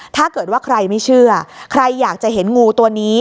ถ้าเกิดว่าใครไม่เชื่อใครอยากจะเห็นงูตัวนี้